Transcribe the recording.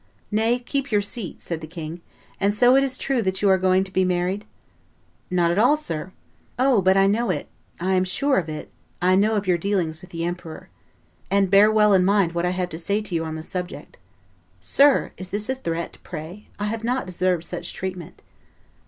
"Nay, keep your seat," said the king; "and so it is true that you are going to be married?" "Not at all, sir." "O, but I know it; I am sure of it; I know of your dealings with the emperor. And bear well in mind what I have to say to you on the subject." "Sir! is this a threat, pray? I have not deserved such treatment."